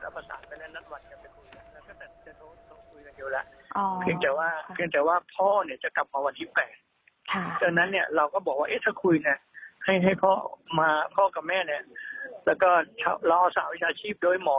เพียงแต่ว่าพ่อเนี่ยก็กลับมาวันที่๘